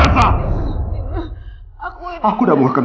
jadi banyak orang yang tanya samaended